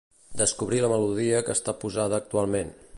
Descobrir la melodia que està posada actualment.